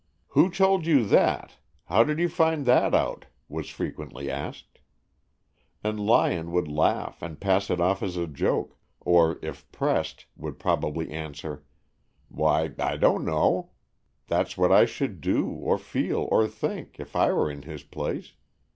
"Who told you that? How did you find that out?" was frequently asked. And Lyon would laugh and pass it off as a joke, or if pressed, would probably answer, "Why, I don't know; that's what I should do, or feel, or think, if I were in his place.